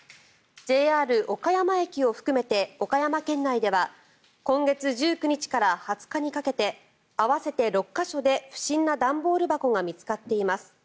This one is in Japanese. ＪＲ岡山駅を含めて岡山県内では今月１９日から２０日にかけて合わせて６か所で不審な段ボール箱が見つかっています。